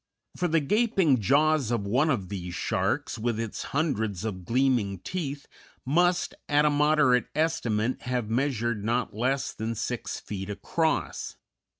For the gaping jaws of one of these sharks, with its hundreds of gleaming teeth must, at a moderate estimate, have measured not less than six feet across.